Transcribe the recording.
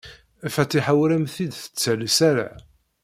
Fatiḥa ur am-t-id-tettales ara.